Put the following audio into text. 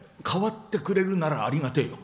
代わってくれるならありがてえよ。